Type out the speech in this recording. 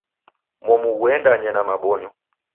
Momu ghuendanye na mabonyo.